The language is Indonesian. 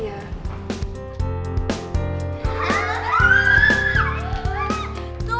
aduh aku sudah bangun